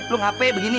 lu gapai begini